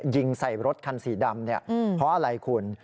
ยิงใส่รถคันสีดำเนี่ยเพราะอะไรคุณ